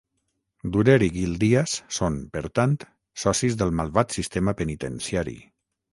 Durer i Guildias són, per tant, socis del malvat sistema penitenciari.